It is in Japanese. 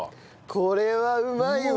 これはうまいわ！